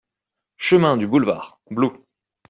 Chemin du Boulevard, Blou